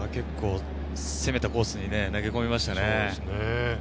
攻めたコースに投げ込みましたね。